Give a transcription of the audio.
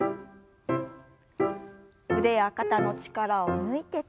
腕や肩の力を抜いて。